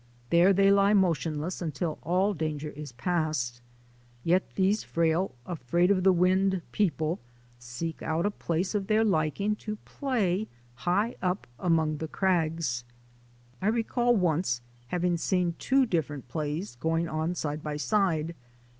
There they lie motionless until all danger is passed. Yet these frail, afraid of t he wind people seek out a place of their liking to play high up among the crags. I recall once having seen two different plays go ing on side by side.